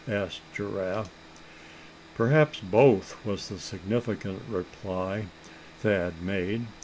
asked Giraffe. "Perhaps both," was the significant reply Thad made.